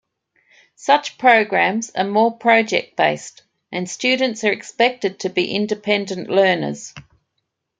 Such programmes are more project-based and students are expected to be independent learners.